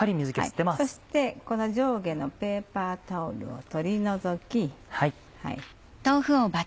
そしてこの上下のペーパータオルを取り除き。